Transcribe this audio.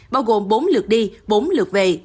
bao gồm bốn lượt đi bốn lượt về